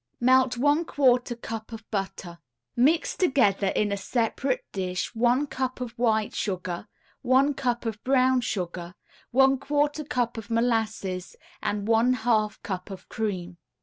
] Melt one quarter cup of butter. Mix together in a separate dish one cup of white sugar, one cup of brown sugar, one quarter cup of molasses and one half cup of cream.